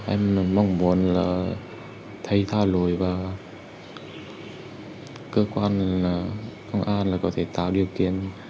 em mong muốn thầy tha lỗi và cơ quan công an có thể tạo điều kiện